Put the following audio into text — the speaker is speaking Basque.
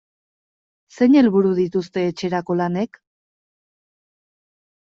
Zein helburu dituzte etxerako lanek?